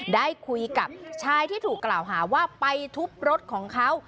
ได้คุยกับชายที่ถูกกล่าวหาว่าไปทุบรถของเขา